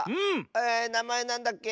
えなまえなんだっけ？